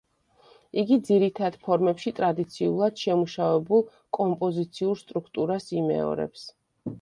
იგი ძირითად ფორმებში ტრადიციულად შემუშავებულ კომპოზიციურ სტრუქტურას იმეორებს.